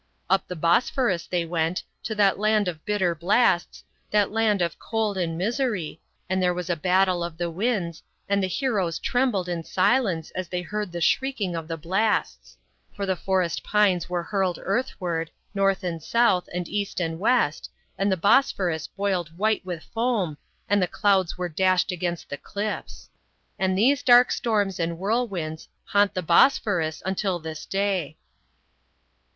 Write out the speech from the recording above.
Up the Bosphorus they went, to that land of bitter blasts, that land of cold and misery, and there was a battle of the winds, and the heroes trembled in silence as they heard the shrieking of the blasts. For the forest pines were hurled earthward, north and south, and east and west, and the Bosphorus boiled white with foam, and the clouds were dashed against the cliffs. And these dark storms IN THE BLACK SEA. 59 and whirlwinds, haunt the / Bosphorus until this day.